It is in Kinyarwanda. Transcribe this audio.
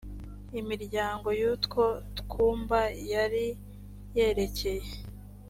imiryango y utwo twumba yari yerekeye